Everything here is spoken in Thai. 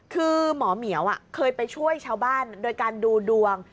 คือหมอเหมียวเคยไปช่วยชาวบ้านโดยการดูดวง